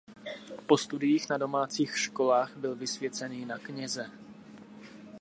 Po studiích na domácích školách byl vysvěcený na kněze.